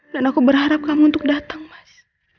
dan aku berharap kamu untuk datang mas